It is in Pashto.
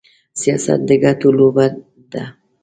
سياست د ګټو لوبه ده.